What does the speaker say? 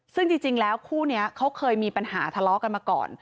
ซึ่งจริงแล้วคู่นี้เขาเคยมีปัญหาทะเลาะกันมาก่อน